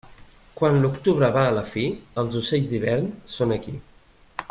Quan l'octubre va a la fi, els ocells d'hivern són aquí.